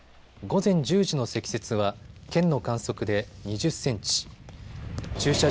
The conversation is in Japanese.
午前１０時の積雪は県の観測で２０センチ。